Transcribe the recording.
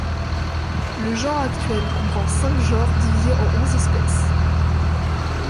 Le genre actuel comprend cinq genres divisés en onze espèces.